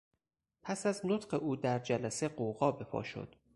پس از نطق او در جلسه غوغا بهپا شد.